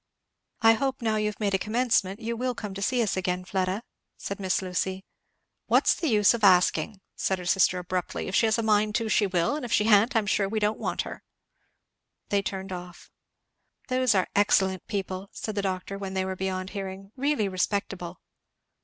"I hope, now you've made a commencement, you will come to see us again, Fleda," said Miss Lucy. "What's the use of asking?" said her sister abruptly. "If she has a mind to she will, and if she ha'n't I am sure we don't want her." They turned off. "Those are excellent people," said the doctor when they were beyond hearing; "really respectable!"